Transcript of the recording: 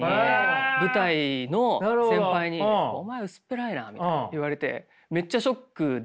舞台の先輩に「お前薄っぺらいな」みたいな言われてめっちゃショックで。